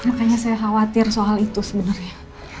makanya saya khawatir soal itu sebenarnya